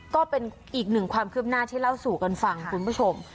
ก็เป็นอีกหนึ่งความคืบหน้าที่เล่าสู่กันฟังคุณผู้ชม